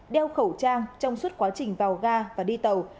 đeo khẩu trang trong suốt quá trình vào ga và đi tàu